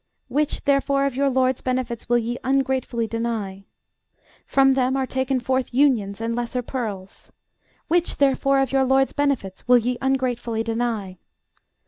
Which, therefore, of your LORD'S benefits will ye ungratefully deny? From them are taken forth unions and lesser pearls. Which, therefore, of your LORD'S benefits will ye ungratefully deny?